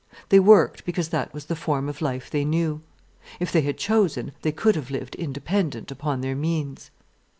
They worked because that was the form of life they knew. If they had chosen, they could have lived independent upon their means.